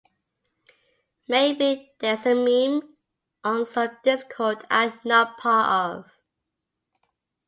Maybe there's a meme on some Discord I'm not part of.